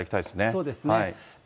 そうですね。